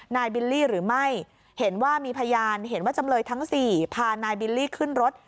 บิลลี่หรือไม่เห็นว่ามีพยานเห็นว่าจำเลยทั้งสี่พานายบิลลี่ขึ้นรถ